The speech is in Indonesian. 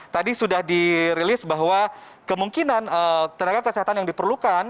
tadi sudah dirilis bahwa kemungkinan tenaga kesehatan yang diperlukan